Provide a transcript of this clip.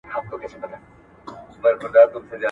موږ له ډېره وخته ټولنپوهنه لولو.